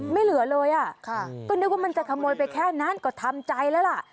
ไม่เหลือเลยอ่ะค่ะก็นึกว่ามันจะขโมยไปแค่นั้นก็ทำใจแล้วล่ะ